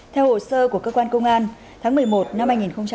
theo hộ sơ của cơ quan công an tháng một mươi một năm hai nghìn một mươi ba